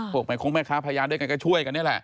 แม่คงแม่ค้าพยานด้วยกันก็ช่วยกันนี่แหละ